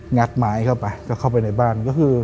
งัดไม้เข้าไปเข้าไปในบ้าน